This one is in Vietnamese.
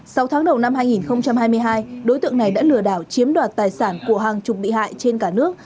sau tháng đầu năm hai nghìn hai mươi hai đối tượng này đã lừa đảo chiếm đoạt tài sản của hàng chục bị hại trên cả nước